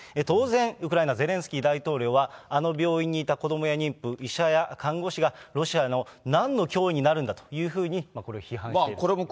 当然、ウクライナ、ゼレンスキー大統領は、あの病院にいた子どもや妊婦、医者や看護師が、ロシアのなんの脅威になるんだというふうに、これを批判している。